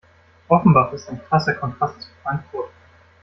Offenbach ist ein krasser Kontrast zu Frankfurt.